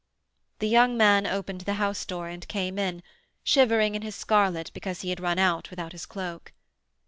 The young man opened the house door and came in, shivering in his scarlet because he had run out without his cloak.